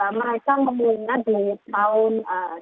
karena mereka memulainya di tahun